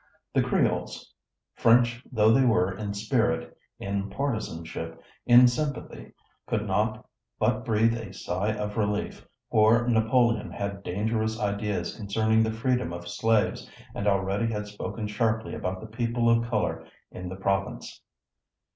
The Creoles, French though they were in spirit, in partisanship, in sympathy, could not but breathe a sigh of relief, for Napoleon had dangerous ideas concerning the freedom of slaves, and already had spoken sharply about the people of color in the province.